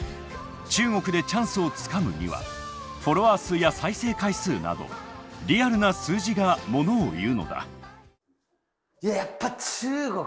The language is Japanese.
中国でチャンスをつかむにはフォロワー数や再生回数などリアルな数字が物を言うのだ。